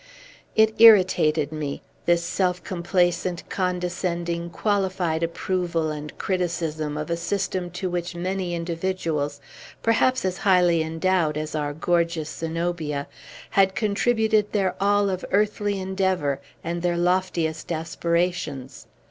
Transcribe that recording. It irritated me, this self complacent, condescending, qualified approval and criticism of a system to which many individuals perhaps as highly endowed as our gorgeous Zenobia had contributed their all of earthly endeavor, and their loftiest aspirations.